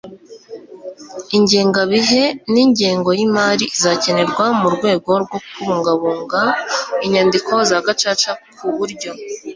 ingengabihe n ingengo y imari izakenerwa mu rwego rwo kubungabunga inyandiko za Gacaca ku buryo